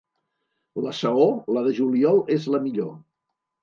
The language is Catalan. La saó, la de juliol és la millor.